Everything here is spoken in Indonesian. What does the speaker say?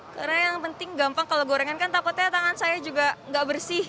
karena yang penting gampang kalau gorengan kan takutnya tangan saya juga gak bersih